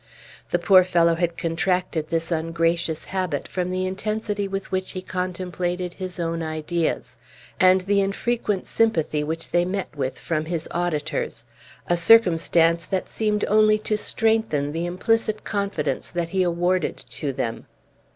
The poor fellow had contracted this ungracious habit from the intensity with which he contemplated his own ideas, and the infrequent sympathy which they met with from his auditors, a circumstance that seemed only to strengthen the implicit confidence that he awarded to them.